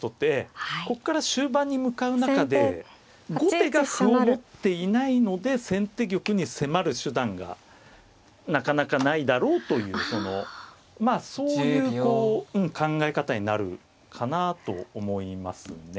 ここから終盤に向かう中で後手が歩を持っていないので先手玉に迫る手段がなかなかないだろうというそういう考え方になるかなと思いますね。